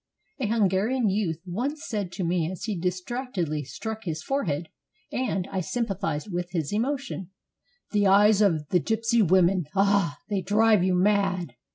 A Hungarian youth once said to me as he distractedly struck his forehead — and I sympathized with his emotion — "The eyes of the gypsy women! ah! they drive you mad."